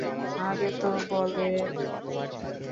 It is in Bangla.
আগে তো বলেন নাই!